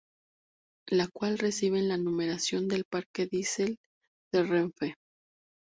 La cual reciben la numeración del parque diesel de renfe.